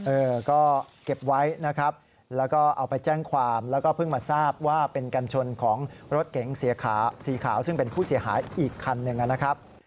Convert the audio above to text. เออก็เก็บไว้นะครับแล้วก็เอาไปแจ้งความแล้วก็เพิ่งมาทราบว่าเป็นกัญชนของรถเก๋งสีขาวซึ่งเป็นผู้เสียหายอีกคันหนึ่งนะครับ